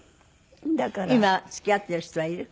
今付き合ってる人はいる？